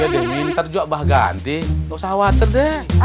iya deh mi ntar jual bahaganti tidak usah khawatir deh